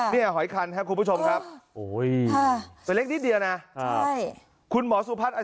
หอยคันครับคุณผู้ชมครับตัวเล็กนิดเดียวนะคุณหมอสุพัฒน์